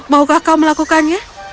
maukah kau melakukannya